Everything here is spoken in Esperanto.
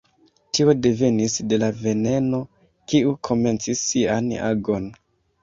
Tio devenis de la veneno, kiu komencis sian agon.